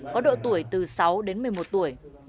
có độ tuổi từ sáu đến một mươi một tuổi